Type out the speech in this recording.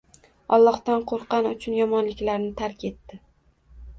Allohdan qo'rqqani uchun yomonliklarni tark etdi.